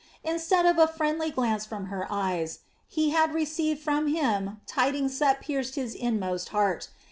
Instead of a friendly glance from her eyes, he had received from him tidings that pierced his inmost heart.